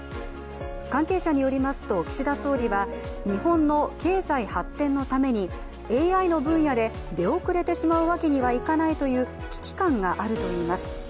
関係者によりますと、岸田総理は日本の経済発展のためにＡＩの分野で出遅れてしまうわけにはいかないという危機感があるといいます。